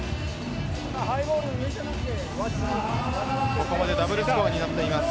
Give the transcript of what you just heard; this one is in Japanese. ここまでダブルスコアになっています。